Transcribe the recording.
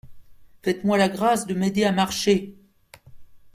Faites-moi la grâce de m'aider à marcher.